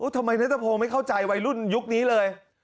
นัทพงศ์ไม่เข้าใจวัยรุ่นยุคนี้เลย